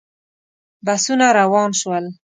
بسونه روان شول.